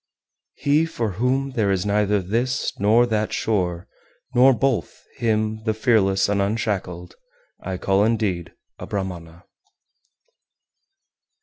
385. He for whom there is neither this nor that shore, nor both, him, the fearless and unshackled, I call indeed a Brahmana.